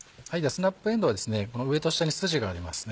スナップえんどうは上と下に筋がありますね。